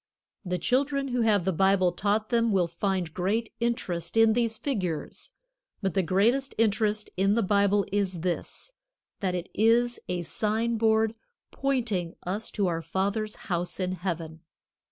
The children who have the Bible taught them will find great interest in these figures. But the greatest interest in the Bible is this, that it is a sign board pointing us to our Father's house in Heaven.